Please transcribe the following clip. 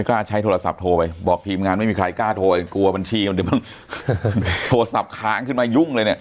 กล้าใช้โทรศัพท์โทรไปบอกทีมงานไม่มีใครกล้าโทรกลัวบัญชีคนอื่นบ้างโทรศัพท์ค้างขึ้นมายุ่งเลยเนี่ย